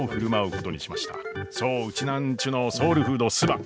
そうウチナーンチュのソウルフードすば！